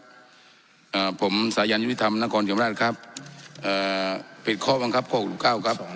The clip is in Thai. อ่าผมสายันยุติธรรมนครชมราชครับเอ่อปิดข้อบังคับข้อหกเก้าครับผม